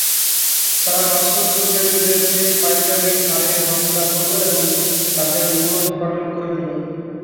তারা বাছুর পূজারীদেরকে পাইকারী হারে হত্যা করল এবং তাদের মূলোৎপাটন করে দিল।